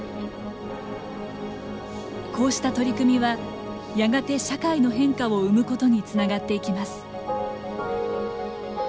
こうした取り組みはやがて社会の変化を生むことにつながっていきます。